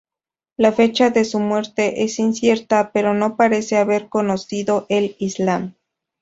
La fecha de su muerte es incierta, pero no parece haber conocido el Islam.